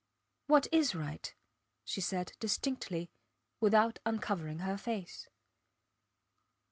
What is right? she said, distinctly, without uncovering her face.